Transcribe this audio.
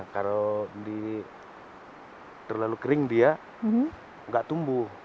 kalau terlalu kering dia nggak tumbuh